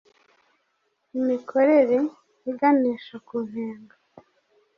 imikorere iganisha ku ntego